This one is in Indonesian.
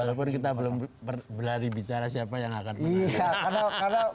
walaupun kita belum berlari bicara siapa yang akan menang